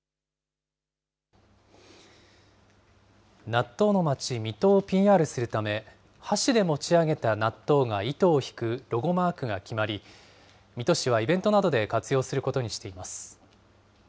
納豆のまち・水戸をＰＲするため、箸で持ち上げた納豆が糸を引くロゴマークが決まり、水戸市はイベントなどで活用することにしています。